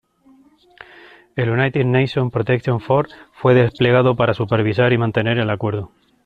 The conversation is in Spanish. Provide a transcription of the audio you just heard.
El United Nations Protection Force fue desplegado para supervisar y mantener el acuerdo.